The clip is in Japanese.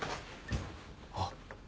あっ！